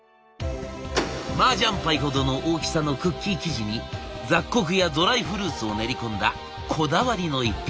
麻雀牌ほどの大きさのクッキー生地に雑穀やドライフルーツを練り込んだこだわりの一品。